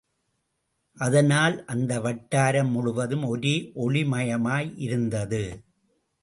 அதனால் அந்த வட்டாரம் முழுவதும் ஒரே ஒளிமயமாய் இருந்தது.